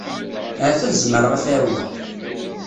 Ahat ad zemreɣ ad t-ɛawneɣ.